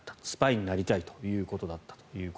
スパイになりたいということだったと。